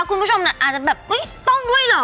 คุณผู้ชมอาจจะแบบอุ๊ยต้องด้วยเหรอ